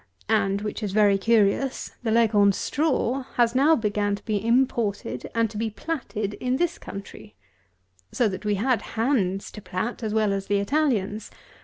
And, which is very curious, the Leghorn straw has now began to be imported, and to be platted in this country. So that we had hands to plat as well as the Italians.